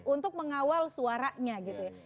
untuk mengawal suaranya gitu ya